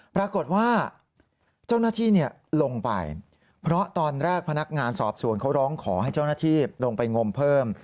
ปรากฏว่าเจ้าหน้าที่ลงไปเพราะตอนแรกพนักงานสอบสวนเขาร้องขอให้เจ้าหน้าที่ลงไปงมเพิ่ม